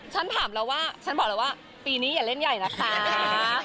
ฉันถามแล้วว่าฉันบอกแล้วว่าปีนี้อย่าเล่นใหญ่นะคะ